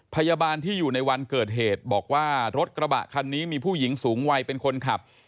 พยาบาลที่อยู่ในวันเกิดเหตุบอกว่ารถกระบะคันนี้มีผู้หญิงสูงวัยเป็นคนขับ